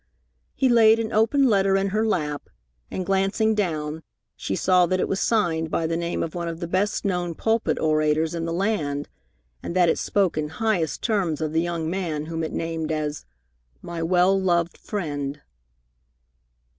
He laid an open letter in her lap, and, glancing down, she saw that it was signed by the name of one of the best known pulpit orators in the land, and that it spoke in highest terms of the young man whom it named as "my well loved friend."